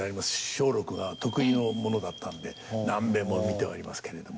松緑が得意のものだったので何べんも見ておりますけれども。